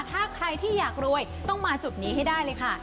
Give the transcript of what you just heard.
ถ้าใครที่อยากรวยต้องมาจุดนี้ให้ได้เลยค่ะ